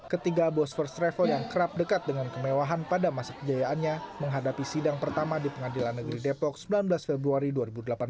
ketiga bos first travel yang kerap dekat dengan kemewahan pada masa kejayaannya menghadapi sidang pertama di pengadilan negeri depok sembilan belas februari dua ribu delapan belas